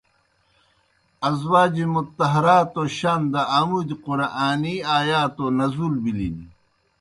ازواج مطہراتو شان دہ آمودیْ قرآنی آیاتو نزول بِلِن۔